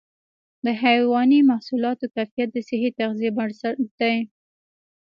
د حيواني محصولاتو کیفیت د صحي تغذیې بنسټ دی.